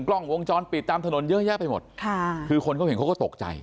กล้องวงจรปิดตามถนนเยอะแยะไปหมดค่ะคือคนเขาเห็นเขาก็ตกใจ